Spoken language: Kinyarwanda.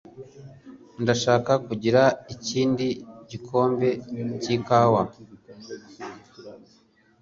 Ndashaka kugira ikindi gikombe cy'ikawa.